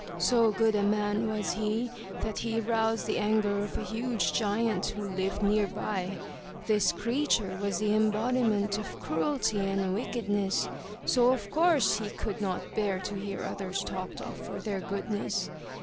So good a man was he that he roused the anger of a huge giant who lived nearby. This creature was the embodiment of cruelty and wickedness, so of course he could not bear to hear others talked of for their goodness.